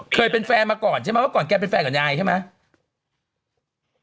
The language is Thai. เคยเป็นแฟนมาก่อนใช่ไหมเมื่อก่อนแกเป็นแฟนกับยายใช่ไหม